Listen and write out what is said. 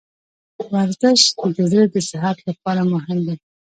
ورزش د زړه د صحت لپاره مهم دی.